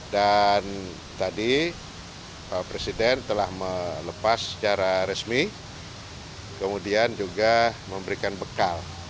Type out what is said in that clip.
dan tadi presiden telah melepas secara resmi kemudian juga memberikan bekal